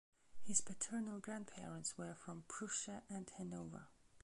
His paternal grandparents were from Prussia and Hanover.